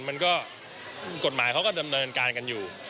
มันก็กฎหมายเขาก็ดำเนินการกันอยู่